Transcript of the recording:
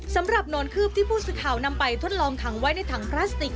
นอนคืบที่ผู้สื่อข่าวนำไปทดลองขังไว้ในถังพลาสติก